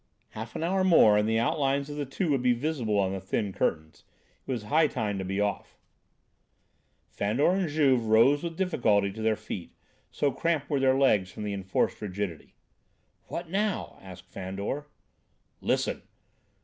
Half an hour more and the outlines of the two would be visible on the thin curtains. It was high time to be off. Fandor and Juve rose with difficulty to their feet, so cramped were their legs from the enforced rigidity. "What now?" asked Fandor. "Listen!"